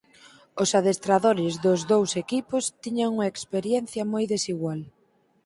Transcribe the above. Os adestradores dos dous equipos tiñan unha experiencia moi desigual.